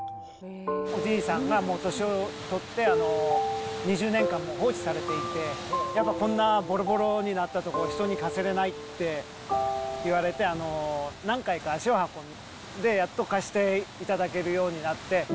おじいさんがもう年を取って、２０年間放置されていて、やっぱこんなぼろぼろになったとこ、人に貸せれないって言われて、何回か足を運んで、やっと貸していただけるようになって。